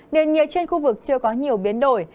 nền nhiệt trên khu vực chưa có nhiều biến đổi